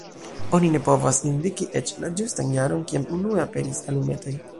Oni ne povas indiki eĉ la ĝustan jaron, kiam unue aperis alumetoj.